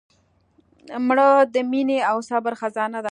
مړه د مینې او صبر خزانه وه